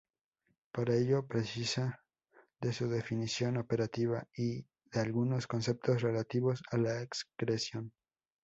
Para ello precisa de la definición operativa de algunos conceptos relativos a la excreción.